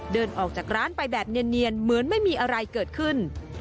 เดินออกจากร้านไปแบบเนียนเหมือนไม่มีอะไรเกิดขึ้น